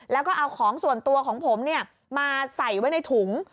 แล้วก็เอาของส่วนตัวของผมมาใส่ไว้ในถุง